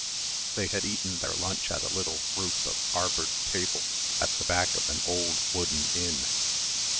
They had eaten their lunch at a little group of arboured tables at the back of an old wooden inn.